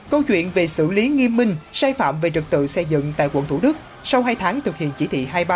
câu chuyện về xử lý nghiêm minh sai phạm về trực tự xây dựng tại quận thủ đức sau hai tháng thực hiện chỉ thị hai mươi ba